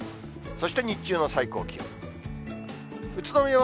そして日中の最高気温。